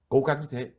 cố gắng như thế